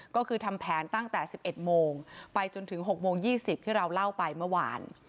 ก็คือทำแผนตั้งแต่๑๑โมงไปจนถึง๖โมง๒๐ที่เราเล่าไปเมื่อวาน